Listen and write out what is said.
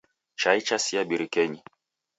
Chai chasia birikenyi.